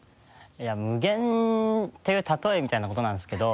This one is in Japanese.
いや無限っていう例えみたいなことなんですけど。